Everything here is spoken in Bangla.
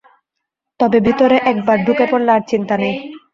তবে ভেতরে একবার ঢুকে পড়লে আর চিন্তা নেই।